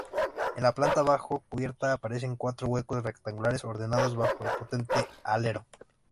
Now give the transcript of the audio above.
En la planta bajo cubierta aparecen cuatro huecos rectangulares ordenados bajo el potente alero.